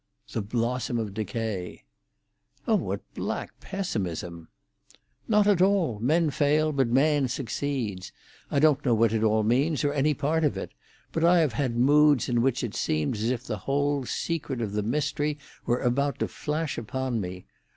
"The blossom of decay." "Oh! what black pessimism!" "Not at all! Men fail, but man succeeds. I don't know what it all means, or any part of it; but I have had moods in which it seemed as if the whole, secret of the mystery were about to flash upon me.